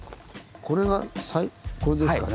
これがこれですかね。